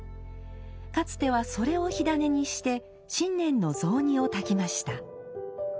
かつてはそれを火種にして新年の雑煮を炊きました。